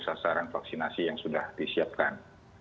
sasaran vaksinasi yang sudah disiapkan